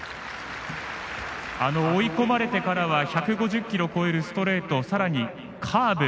追い込まれてからは１５０キロを超えるストレートさらにカーブ。